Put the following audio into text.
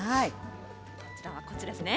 こちらはこっちですね。